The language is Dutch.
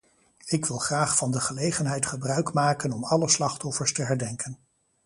Ik wil graag van de gelegenheid gebruik maken om alle slachtoffers te herdenken.